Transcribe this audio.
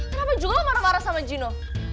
kenapa juga lo marah marah sama jino